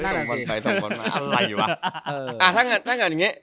ส่งบอลไปส่งบอลมาอะไรวะ